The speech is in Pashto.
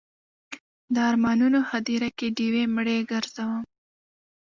د ارمانونو هدیره کې ډیوې مړې ګرځوم